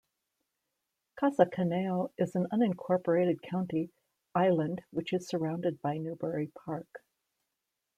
Casa Conejo is an unincorporated county island which is surrounded by Newbury Park.